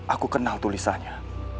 aku kenal tulisannya